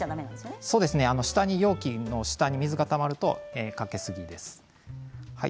下に容器の下に水がたまるとかけすぎです。